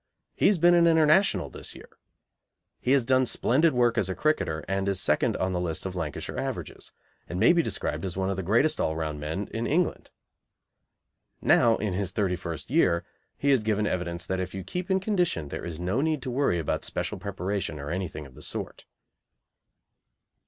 He has been an International this year. He has done splendid work as a cricketer, and is second on the list of Lancashire averages, and may be described as one of the greatest all round men in England. Now, in his thirty first year, he has given evidence that if you keep in condition there is no need to worry about special preparation or anything of the sort.